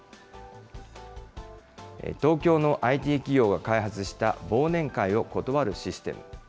東京のＩＴ企業が開発した忘年会を断るシステム。